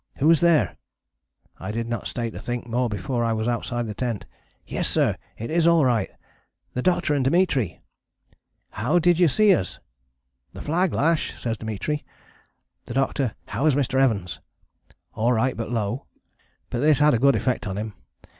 Who is there?" I did not stay to think more before I was outside the tent. "Yes, sir, it is alright." The Doctor and Dimitri. "How did you see us?" "The flag Lash," says Dimitri. The Doctor, "How is Mr. Evans?" "Alright, but low." But this had a good effect on him.